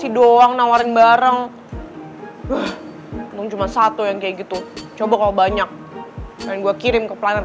ini gimana lagi cara benerinnya